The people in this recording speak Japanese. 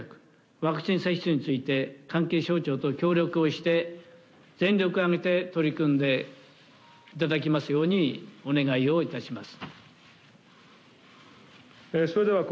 ワクチン接種について関係省庁と協力をして全力を挙げて取り組んでいただきますようにお願いを致します。